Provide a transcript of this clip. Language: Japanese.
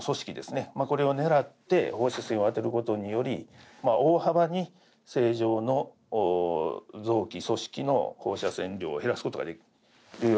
これを狙って放射線を当てることにより大幅に正常の臓器組織の放射線量を減らすことができるようになりました。